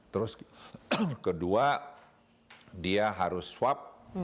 terus kedua dia harus swab